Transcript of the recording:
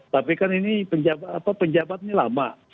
tapi kan ini penjabat apa penjabatnya lama